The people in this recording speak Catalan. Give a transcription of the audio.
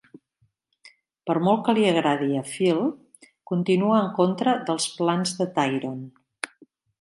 Per molt que li agradi a Field, continua en contra dels plans de Tyronne.